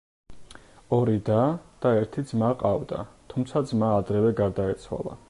ორი და და ერთი ძმა ჰყავდა, თუმცა ძმა ადრევე გარდაეცვალა.